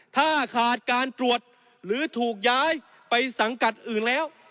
ถ้าขาดการตรวจหรือถูกย้ายไปสังกัดอื่นแล้ว